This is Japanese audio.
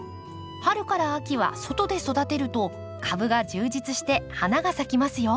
春から秋は外で育てると株が充実して花が咲きますよ。